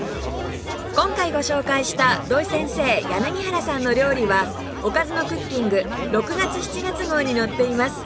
今回ご紹介した土井先生柳原さんの料理は『おかずのクッキング』６月７月号に載っています